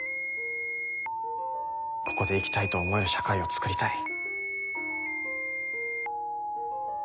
ここで生きたいと思える社会を創りたい。